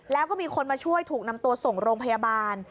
แล้วก็มีคนมาช่วยถูกนำตัวส่งโรงพยาบาล